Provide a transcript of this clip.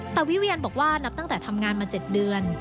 แต่วิเวียนบอกว่านับตั้งแต่ทำงานมา๗เดือน